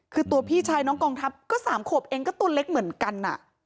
คือตัวพี่ชายน้องกองทัพก็๓ขวบเองก็ตัวเล็กเหมือนกัน